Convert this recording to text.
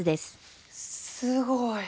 すごい。